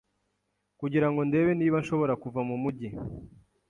kugira ngo ndebe niba nshobora kuva mu mujyi.